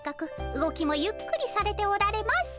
動きもゆっくりされておられます。